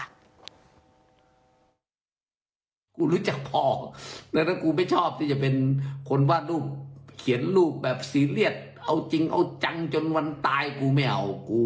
กูรู้จักพ่อดังนั้นกูไม่ชอบที่จะเป็นคนวาดรูปเขียนรูปแบบซีเรียสเอาจริงเอาจังจนวันตายกูไม่เอากู